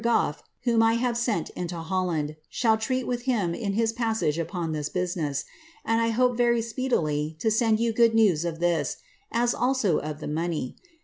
Ooi^ whom I have sent into Holland, shall treat with him in his passage upon lUl business ; and I hope very speedily to send you good news of this, a$ aim tfth money.